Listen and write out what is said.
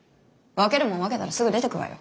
分けるもん分けたらすぐ出て行くわよ！